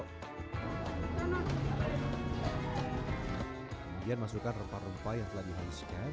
kemudian masukkan rempah rempah yang telah dihaluskan